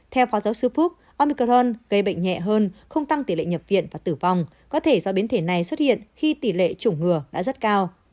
theo phó giáo sư phúc omicron gây bệnh nhẹ hơn không tăng tỷ lệ nhập viện và tử vong có thể do biến thể này xuất hiện khi tỷ lệ chủng ngừa đã rất cao